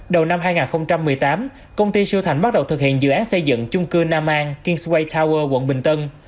đầu năm hai nghìn một mươi tám công ty siêu thành bắt đầu thực hiện dự án xây dựng chung cư nam an kingway tower quận bình tân